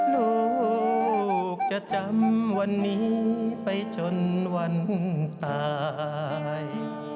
ลูกจะจำวันนี้ไปจนวันตาย